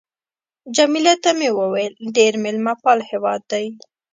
جميله ته مې وویل: ډېر مېلمه پال هېواد دی.